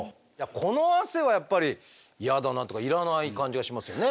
この汗はやっぱり嫌だなというかいらない感じがしますよね。